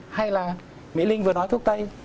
hay là mỹ linh vừa nói thuốc tây